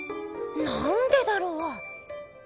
なんでだろう？